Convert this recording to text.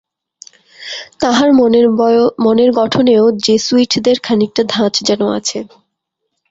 তাঁহার মনের গঠনেও জেসুইটদের খানিকটা ধাঁচ যেন আছে।